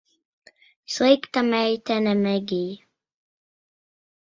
Slikta meitene, Megij.